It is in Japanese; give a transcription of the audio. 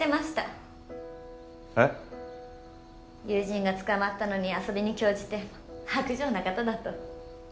友人が捕まったのに遊びに興じて薄情な方だと。